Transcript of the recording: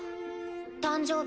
誕生日。